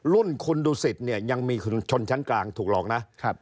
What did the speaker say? รุ่นคุณดูสิตเนี่ยยังมีคุณชนชั้นกลางถูกหลอกนะ